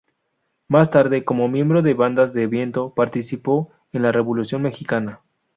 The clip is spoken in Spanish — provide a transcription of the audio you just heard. Más tarde, como miembro de bandas de viento, participó en la Revolución mexicana.